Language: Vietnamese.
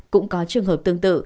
cũng có trường hợp tương tự